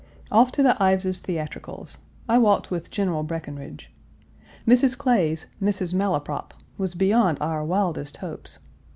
Off to the Ives's theatricals. I walked with General Breckinridge. Mrs. Clay's Mrs. Malaprop was beyond our wildest hopes.